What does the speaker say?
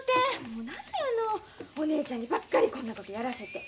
何やのお姉ちゃんにばっかりこんなことやらせて。